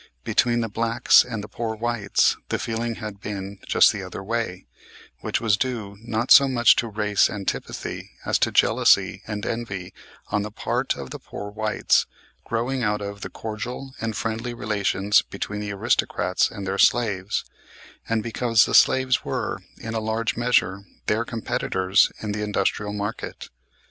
Between the blacks and the poor whites the feeling had been just the other way; which was due not so much to race antipathy as to jealousy and envy on the part of the poor whites, growing out of the cordial and friendly relations between the aristocrats and their slaves; and because the slaves were, in a large measure, their competitors in the industrial market.